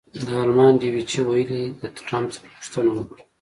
د المان ډویچې وېلې د ټرمپ څخه پوښتنه وکړه.